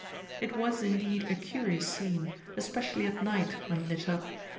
It was, indeed, a curious scene, especially at night when lit up.